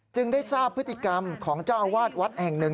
ได้ทราบพฤติกรรมของเจ้าอาวาสวัดแห่งหนึ่ง